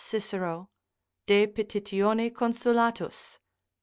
Cicero, De Petitione Consul, c.